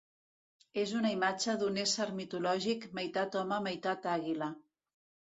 És una imatge d'un ésser mitològic meitat home meitat àguila.